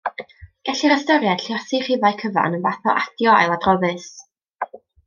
Gellir ystyried lluosi rhifau cyfan yn fath o adio ailadroddus.